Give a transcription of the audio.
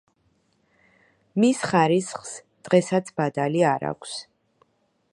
მის ხარისხს დღესაც ბადალი არ აქვს.